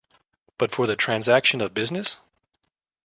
But for the transaction of business?